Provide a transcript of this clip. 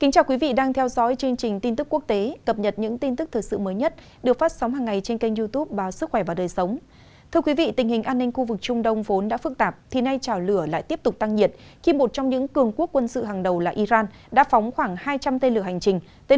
cảm ơn các bạn đã theo dõi